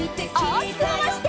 おおきくまわして。